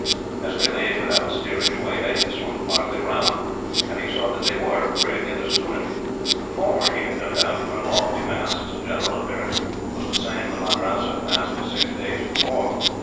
As they lay without steerage way, they had swung partly round, and he saw that they were a brig and a schooner. The former he had no doubt, from her lofty masts and general appearance, was the same the Madras had passed six days before.